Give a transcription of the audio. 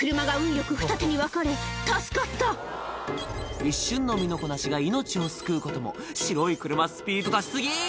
よくふた手に分かれ助かった一瞬の身のこなしが命を救うことも白い車スピード出し過ぎ！